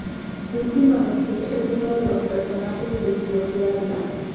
Ultimate es uno de los personajes desbloqueables.